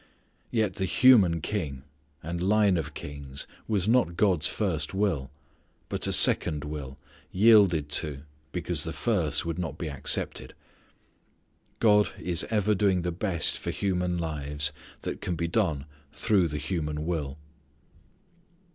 Yet the human king and line of kings was not God's first will, but a second will yielded to because the first would not be accepted. God is ever doing the best for human lives that can be done through the human will.